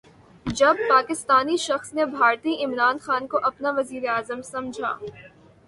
جب پاکستانی شخص نے بھارتی عمران خان کو اپنا وزیراعظم سمجھا